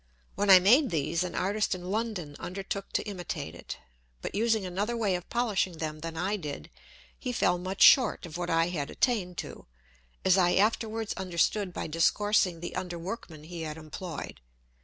When I made these an Artist in London undertook to imitate it; but using another way of polishing them than I did, he fell much short of what I had attained to, as I afterwards understood by discoursing the Under workman he had employed.